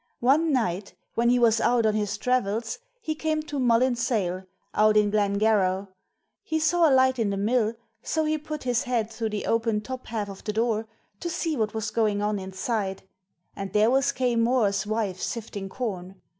One night, when he was out on his travels he came to Mullin Sayle, out in Glen Garragh. He saw a light in the mill, so he put his head through the open top half of the door to see what was going on inside, and there was Quaye Mooar's wife sifting corn.